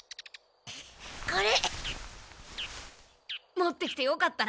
持ってきてよかったな。